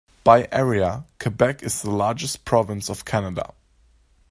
By area, Quebec is the largest province of Canada.